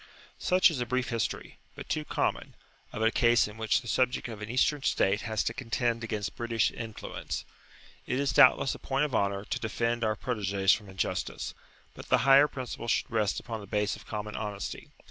Such is a brief history, but too common, of a case in which the subject of an Eastern state has to contend against British influence. It is doubtless a point of honour to defend our proteges from injustice, but the higher principle should rest upon the base of common honesty.